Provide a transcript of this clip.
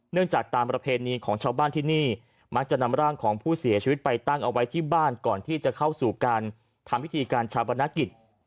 จากตามประเพณีของชาวบ้านที่นี่มักจะนำร่างของผู้เสียชีวิตไปตั้งเอาไว้ที่บ้านก่อนที่จะเข้าสู่การทำพิธีการชาปนกิจ